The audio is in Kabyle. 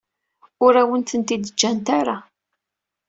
Ur awen-tent-id-ǧǧant ara.